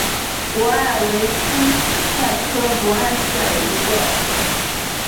荸艾为千屈菜科荸艾属下的一个种。